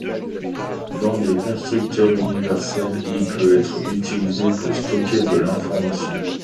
Dans des constructeurs universels, il peut être utilisé pour stocker de l'information.